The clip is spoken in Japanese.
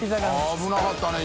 危なかったね